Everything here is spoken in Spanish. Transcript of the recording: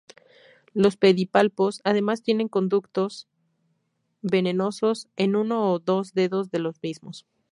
Los pedipalpos además tienen conductos venenosos en uno o dos dedos de los mismos.